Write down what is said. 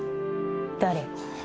誰？